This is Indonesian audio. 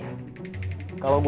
kalau gue gak mau lo mau